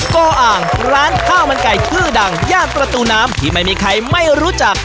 โกอ่างร้านข้าวมันไก่ชื่อดังย่านประตูน้ำที่ไม่มีใครไม่รู้จัก